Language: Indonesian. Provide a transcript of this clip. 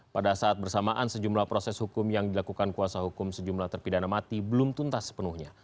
pada saat bersamaan sejumlah proses hukum yang dilakukan kuasa hukum sejumlah terpidana mati belum tuntas sepenuhnya